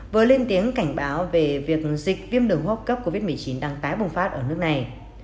vừa lên tiếng cảnh báo về việc dịch viêm đường hô hấp cấp covid một mươi chín đang tái bùng phát ở nước này